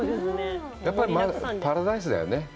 やっぱり、パラダイスだよね。